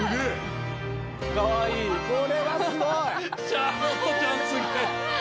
シャーロットちゃんすげえ。